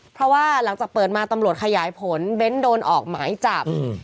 เพราะว่าหลังจากเปิดมาตำรวจขยายผลเบ้นโดนออกหมายจับ